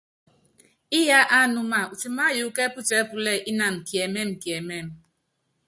Íyá ánúma, utimáyuúkú ɛ́putíɛpúlɛ́ ínanɔ kiɛmɛ́mɛ kiɛmɛ́mɛ.